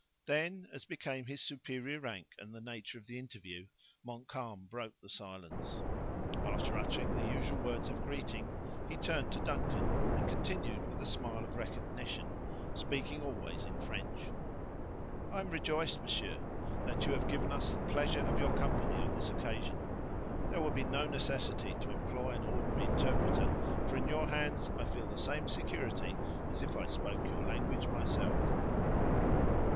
Then, as became his superior rank and the nature of the interview, Montcalm broke the silence. After uttering the usual words of greeting, he turned to Duncan, and continued, with a smile of recognition, speaking always in French: "I am rejoiced, monsieur, that you have given us the pleasure of your company on this occasion. There will be no necessity to employ an ordinary interpreter; for, in your hands, I feel the same security as if I spoke your language myself."